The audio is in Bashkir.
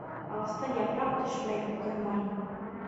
Ағастан япраҡ төшмәй тормай.